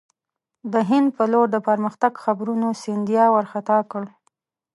د هند پر لور د پرمختګ خبرونو سیندیا وارخطا کړ.